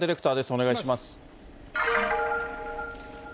お願いします。